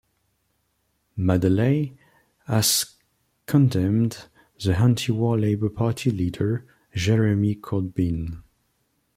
Madeley has condemned the anti-war Labour party leader, Jeremy Corbyn.